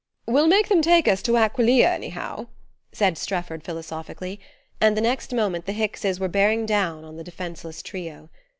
"We'll make them take us to Aquileia anyhow," said Strefford philosophically; and the next moment the Hickses were bearing down on the defenceless trio.